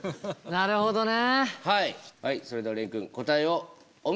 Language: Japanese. なるほどね。